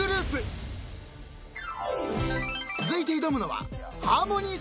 ［続いて挑むのは］